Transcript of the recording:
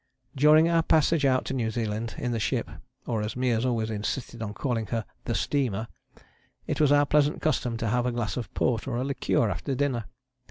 During our passage out to New Zealand in the ship (or as Meares always insisted on calling her, the steamer) it was our pleasant custom to have a glass of port or a liqueur after dinner.